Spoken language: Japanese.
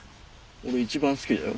俺一番好きだよ